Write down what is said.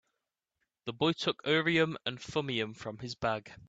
The boy took out Urim and Thummim from his bag.